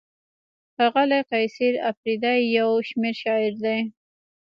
ښاغلی قیصر اپریدی یو شمېر شاعر دی.